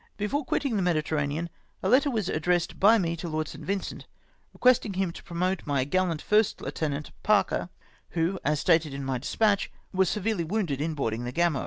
Before quitting the Mediterranean, a letter was ad dressed by me to Lord St. Vincent, requestmg him to promote my gallant Fii'st Lieutenant Parker, who, as stated in my despatch, was severely wounded in board ing the Gamo.